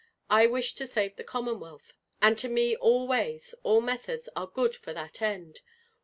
I wish to save the Commonwealth; and to me all ways, all methods are good for that end.